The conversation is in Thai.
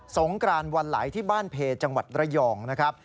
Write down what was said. งกรานวันไหลที่บ้านเพจังหวัดระยองนะครับ